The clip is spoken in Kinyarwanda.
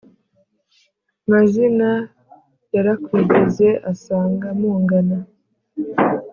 Mazina yarakwigeze asanga mungana